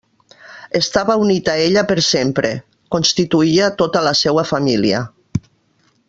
Estava unit a ella per sempre: constituïa tota la seua família.